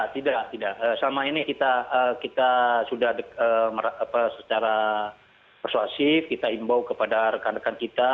tidak tidak selama ini kita sudah secara persuasif kita imbau kepada rekan rekan kita